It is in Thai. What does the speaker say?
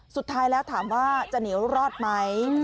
สุดท้ายแล้วถามว่าจะเหนียวรอดไหม